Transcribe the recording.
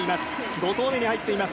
５投目に入っています。